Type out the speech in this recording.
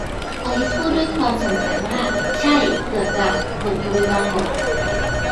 อลิซพูดด้วยความสงสัยว่า ใช่ เกือบจะ บทกวีบางบท